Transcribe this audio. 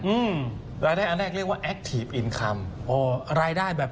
อืมมึงข้อแรกอันแรกเรียกว่าอินคลัมโอ้รายได้แบบ